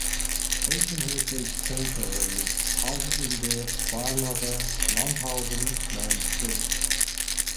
Heysham Heritage Centre is housed in the barn of a Longhouse in Main Street.